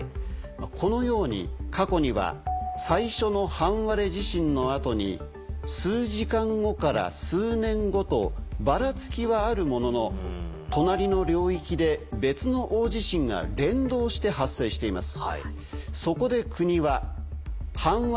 このように過去には最初の半割れ地震の後に数時間後から数年後とばらつきはあるものの隣の領域で別の大地震が連動して発生しています。